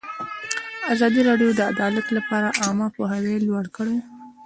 ازادي راډیو د عدالت لپاره عامه پوهاوي لوړ کړی.